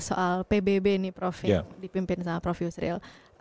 soal pbb ini prof yang dipimpin sama prof yusril